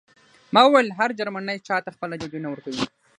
ما وویل هر جرمنی چاته خپله ډوډۍ نه ورکوي